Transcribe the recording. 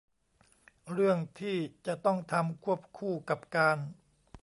เรื่องที่จะต้องทำควบคู่กับการ